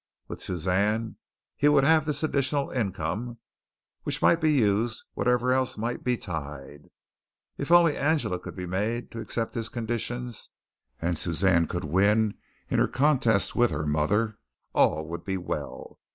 With Suzanne he would have this additional income, which might be used whatever else might betide. If only Angela could be made to accept his conditions and Suzanne could win in her contest with her mother all would be well.